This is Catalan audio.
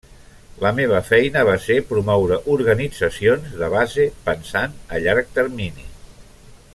La meva feina va ser promoure organitzacions de base pensant a llarg termini.